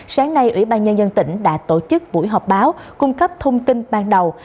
sáng nay ủy ban nhân dân tỉnh đã tổ chức buổi họp báo cung cấp thông tin ban đầu